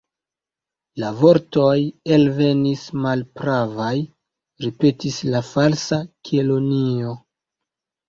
"La vortoj elvenis malpravaj," ripetis la Falsa Kelonio.